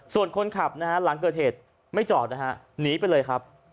ส่วนคนขับนะฮะหลังเกิดเหตุไม่จอดนะฮะหนีไปเลยครับ